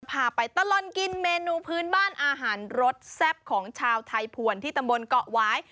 พาไปตลอดกินเมนูพื้นบ้านอาหารรสแซ่บของชาวไทยผวนที่ตำบลเกาะวาย